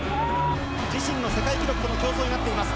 自身の世界記録との競争になっています。